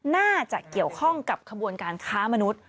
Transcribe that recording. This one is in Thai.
น่าจะเกี่ยวข้องกับขบวนการค้ามนุษย์